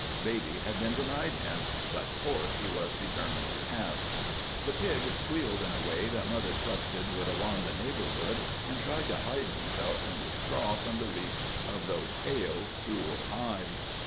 Baby had been denied him, but pork he was determined to have. "The pig squealed in a way that mother trusted would alarm the neighborhood, and tried to hide himself in the straw from the reach of those pale, cruel eyes.